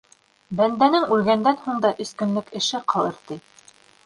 Бәндәнең үлгәндән һуң да өс көнлөк эше ҡалыр, ти.